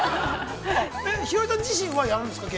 ひよりさん自身はやるんですか。